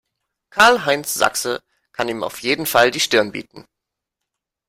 Karl-Heinz Sachse kann ihm auf jeden Fall die Stirn bieten.